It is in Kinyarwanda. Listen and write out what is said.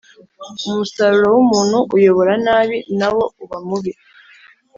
Umusaruro w’umuntu uyobora nabi nawo uba mubi